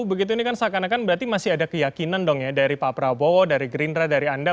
begitu ini kan seakan akan berarti masih ada keyakinan dong ya dari pak prabowo dari gerindra dari anda